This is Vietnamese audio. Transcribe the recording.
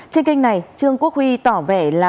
trên kênh này trương quốc huy tỏ vẻ là